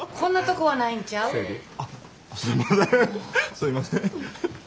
すいません。